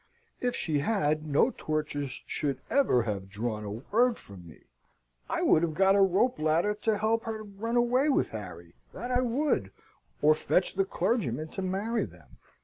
If she had, no tortures should ever have drawn a word from me I would have got a rope ladder to help her to run away with Harry, that I would, or fetched the clergyman to marry them.